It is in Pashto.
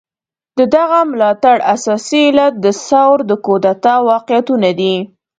د دغه ملاتړ اساسي علت د ثور د کودتا واقعيتونه دي.